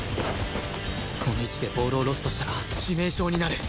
この位置でボールをロストしたら致命傷になる